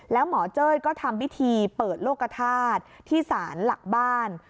แล้วหมอเจ้ยก็ทำพิธีเปิดโลกธาตุที่ศาลหลักบ้าน